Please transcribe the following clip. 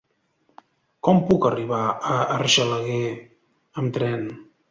Com puc arribar a Argelaguer amb tren?